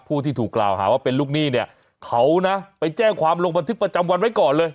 ผู้ที่ถูกกล่าวหาว่าเป็นลูกหนี้เนี่ยเขานะไปแจ้งความลงบันทึกประจำวันไว้ก่อนเลย